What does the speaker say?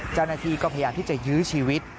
เจ้าหน้าที่ก็พยายามที่จะยื้อชีวิต